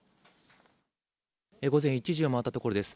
午前１時を回ったところです。